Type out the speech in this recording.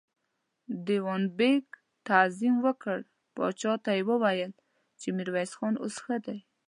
دېوان بېګ تعظيم وکړ، پاچا ته يې وويل چې ميرويس خان اوس ښه دی.